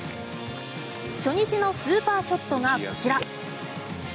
初日のスーパーショットがこちら。